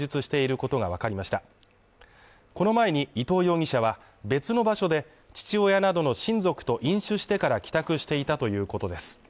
この前に伊藤容疑者は別の場所で、父親などの親族と飲酒してから帰宅していたということです。